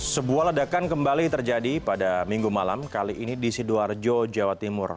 sebuah ledakan kembali terjadi pada minggu malam kali ini di sidoarjo jawa timur